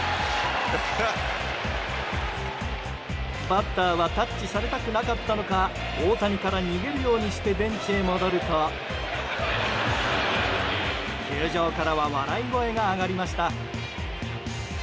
バッターはタッチされたくなかったのか大谷から逃げるようにしてベンチへ戻ると球場からは笑い声が上がりました。